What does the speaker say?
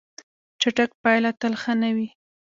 چټک پایله تل ښه نه وي.